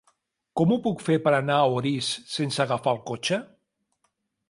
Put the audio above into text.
Com ho puc fer per anar a Orís sense agafar el cotxe?